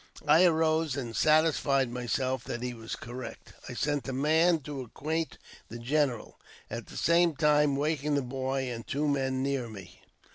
I arose, and satisfied myself that he was correct. I sent a man to acquaint the general, at the same time waking the boy and two men near me.